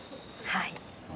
はい。